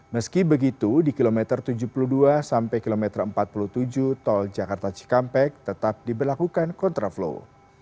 meski begitu di kilometer tujuh puluh dua sampai kilometer empat puluh tujuh tol jakarta cikampek tetap diberlakukan kontraflow